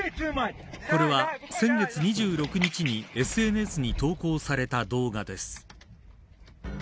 これは先月２６日にＳＮＳに投稿された動画です。